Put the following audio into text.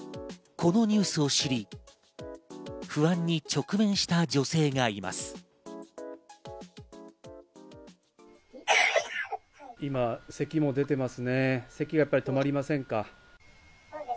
このニュースを知り、不安に直面した女性がいます。